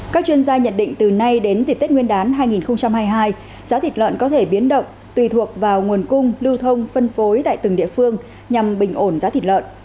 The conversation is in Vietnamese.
các chuyên gia nhận định từ nay đến dịp tết nguyên đán hai nghìn hai mươi hai giá thịt lợn có thể biến động tùy thuộc vào nguồn cung lưu thông phân phối tại từng địa phương nhằm bình ổn giá thịt lợn